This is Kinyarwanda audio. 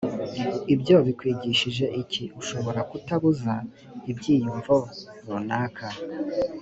ibyo bikwigishije iki ushobora kutabuza ibyiyumvo runaka